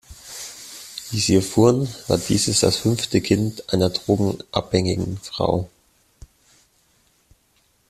Wie sie erfuhren, war dieses das fünfte Kind einer drogenabhängigen Frau.